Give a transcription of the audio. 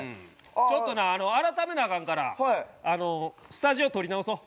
ちょっとな改めなアカンからスタジオ取り直そう。